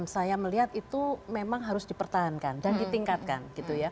saya melihat itu memang harus dipertahankan dan ditingkatkan